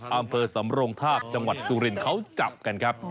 อำเภอสำรงทาบจังหวัดสุรินทร์เขาจับกันครับ